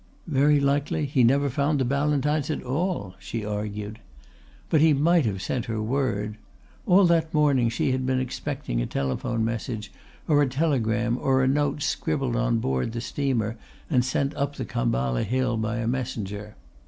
"Very likely he never found the Ballantynes at all," she argued. But he might have sent her word. All that morning she had been expecting a telephone message or a telegram or a note scribbled on board the steamer and sent up the Khamballa Hill by a messenger.